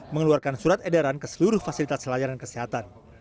mengeluarkan surat edaran ke seluruh fasilitas layanan kesehatan